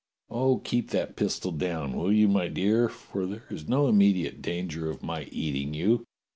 "Oh, keep that pistol down, will you, my dear? for there is no immediate danger of my eating you.